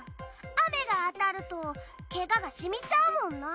雨が当たるとケガがしみちゃうもんな。